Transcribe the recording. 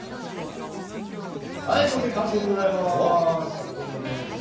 あっという間です。